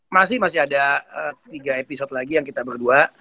masih masih ada tiga episode lagi yang kita berdua